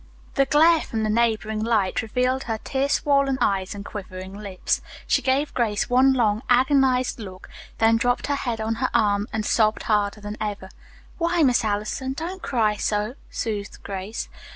The glare from the neighboring light revealed her tear swollen eyes and quivering lips. She gave Grace one long, agonized look, then dropped her head on her arm and sobbed harder than ever. "Why, Miss Allison, don't cry so," soothed Grace.